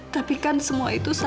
tapi kan semua itu